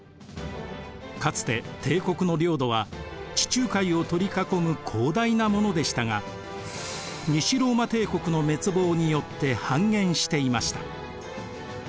かつて帝国の領土は地中海を取り囲む広大なものでしたが西ローマ帝国の滅亡によって半減していました。